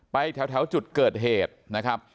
แถวจุดเกิดเหตุนะครับ